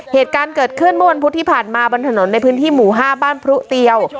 เหตุการณ์เกิดขึ้นเมื่อวันพุธที่ผ่านมาบนถนนในพื้นที่หมู่๕บ้านพรุเตียว